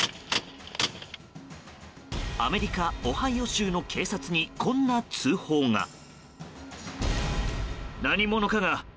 アメリカ・オハイオ州の警察にこんな通報が。